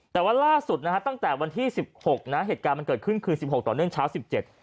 แต่ว่าล่าสุดนะฮะตั้งแต่วันที่สิบหกนะเหตุการณ์มันเกิดขึ้นคือสิบหกต่อเนื่องเช้าสิบเจ็ด